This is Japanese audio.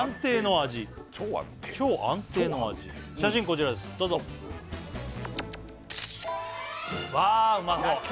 こちらですどうぞわうまそう！